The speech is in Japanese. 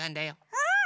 うん！